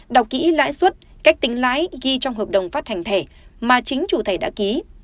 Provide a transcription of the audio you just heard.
đọc kỹ lãi suất cách tính lãi ghi trong hợp đồng phát hành thẻ mà chính chủ thẻ đã ký